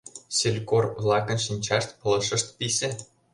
Селькор-влакын шинчашт, пылышышт писе.